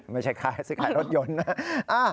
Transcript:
ไม่ใช่ค่ายค่ายรถยนต์นะ